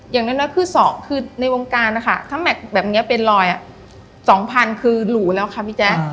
อย่างน้อยคือ๒คือในวงการนะคะถ้าแม็กซ์แบบนี้เป็นรอย๒๐๐คือหรูแล้วค่ะพี่แจ๊ค